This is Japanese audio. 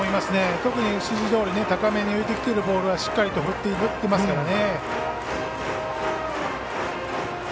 特に指示どおり高めに浮いているボールはしっかり振りにきていますからね。